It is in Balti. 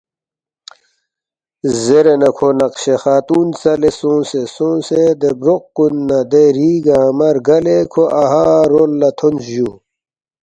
“ زیرے نہ کھو نقشِ خاتون ژَلے سونگسے سونگسے دے بروق کُن نہ دے ری گنگمہ رگلے کھو اَہا رول لہ تھونس جُو